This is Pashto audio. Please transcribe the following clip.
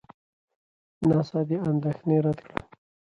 ناسا دا اندېښنه رد کړه.